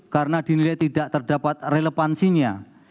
karena dinilai tidak terdapat relevansinya